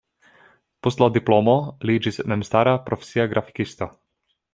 Post la diplomo li iĝis memstara, profesia grafikisto.